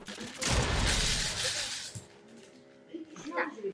Uprostřed dvora je umístěna soudobá kamenná fontána.